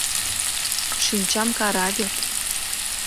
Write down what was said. Шинчам кара вет.